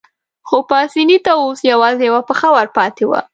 خو پاسیني ته اوس یوازې یوه پښه ورپاتې وه.